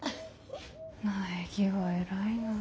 苗木は偉いなあ。